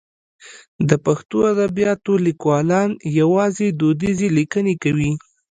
د پښتو ادبیاتو لیکوالان یوازې دودیزې لیکنې کوي.